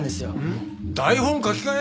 台本の書き換え！？